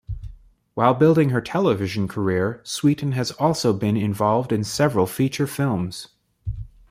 While building her television career, Sweeten has also been involved in several feature films.